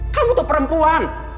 kamu tuh perempuan